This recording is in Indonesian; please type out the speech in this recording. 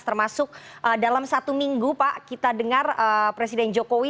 termasuk dalam satu minggu pak kita dengar presiden jokowi